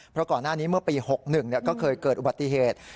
เพราะก่อนหน้านี้เมื่อปี๖๑ก็เคยเกิดอุบัติเหตุ